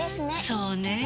そうねぇ。